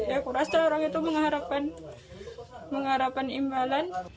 ya kurasa orang itu mengharapkan mengharapkan imbalan